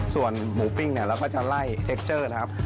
ส่วนหมูปิ้งเนี่ยเราก็จะไล่เทคเจอร์นะครับ